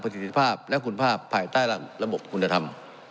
ประสิทธิภาพและคุณภาพภายใต้ระหลังระบบกลุ่นธรรม